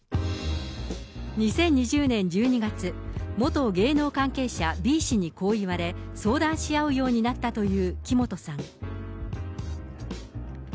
２０２０年１２月、元芸能関係者Ｂ氏にこう言われ、相談し合うようになったという木本さん。